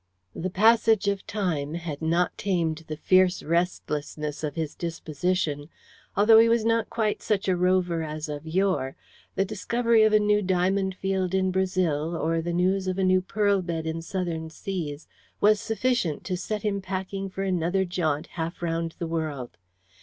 The passage of time had not tamed the fierce restlessness of his disposition. Although he was not quite such a rover as of yore, the discovery of a new diamond field in Brazil, or the news of a new pearl bed in southern seas, was sufficient to set him packing for another jaunt half round the world.